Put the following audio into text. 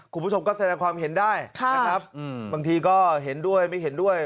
คุณผู้ชมก็แสดงความเห็นได้นะครับบางทีก็เห็นด้วยไม่เห็นด้วย